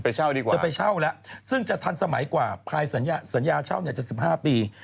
ไปเช่าดีกว่าจะไปเช่าแล้วซึ่งจะทันสมัยกว่าภายสัญญาเช่าจะ๑๕ปี